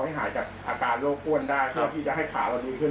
ให้หายจากอาการโรคอ้วนได้เพื่อที่จะให้ข่าวเราดีขึ้น